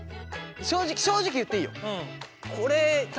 正直正直言っていいよ。